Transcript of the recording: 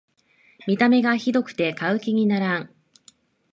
見た目がひどくて買う気にならん